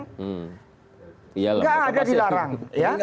enggak ada dilarang